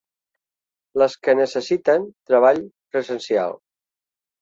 Les que necessiten treball presencial.